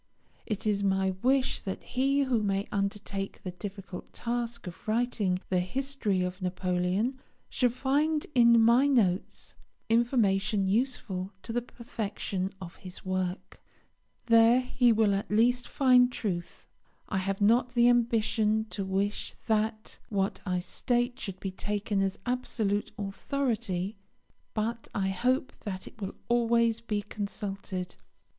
It is my wish that he who may undertake the difficult task of writing the history of Napoleon shall find in my notes information useful to the perfection of his work. There he will at least find truth. I have not the ambition to wish that what I state should be taken as absolute authority; but I hope that it will always be consulted.